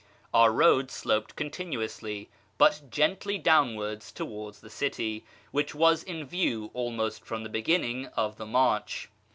Our road sloped continuously, but gently, downwards towards the city, which was in view almost from the beginning of the march.